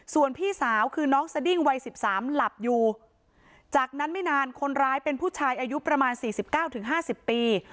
ส่วนพี่สาวคือน้องสดิ้งวัยสิบสามหลับอยู่จากนั้นไม่นานคนร้ายเป็นผู้ชายอายุประมาณสี่สิบเก้าถึงห้าสิบปี